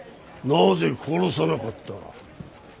なぜ殺さなかった。